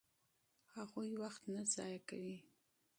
هغوی وخت نه ضایع کوي.